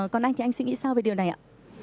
còn anh thì anh suy nghĩ sao về điều này ạ